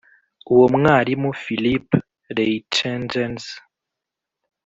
uwo mwarimu filip reyntjens